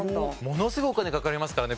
ものすごいお金かかりますからね